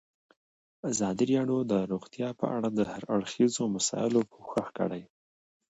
ازادي راډیو د روغتیا په اړه د هر اړخیزو مسایلو پوښښ کړی.